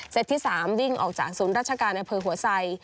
ที่๓วิ่งออกจากศูนย์ราชการอำเภอหัวไซ